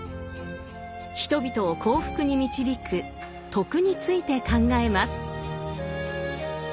人々を幸福に導く「徳」について考えます。